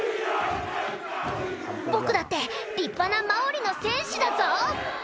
「僕だって立派なマオリの戦士だぞ！」